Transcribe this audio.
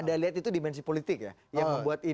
anda lihat itu dimensi politik ya